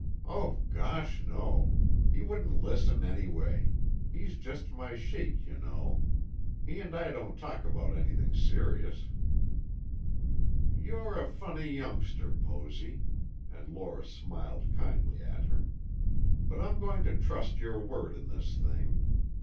"Oh, gosh, no! He wouldn't listen, anyway. He's just my sheik, you know. He and I don't talk about anything serious." "You're a funny youngster, Posy," and Lora smiled kindly at her, "but I'm going to trust your word in this thing.